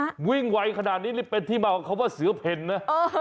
นี่วิ่งไวขนาดนี้เป็นที่มาว่าเขาว่าเสือเพลนนะ